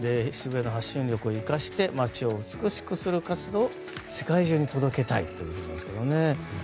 渋谷の発信力を生かして街を美しくする活動を世界中に届けたいということですけどね。